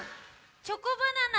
チョコバナナ。